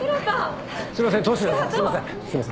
すいません